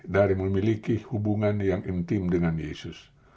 dari memiliki hubungan yang intim dengan yesus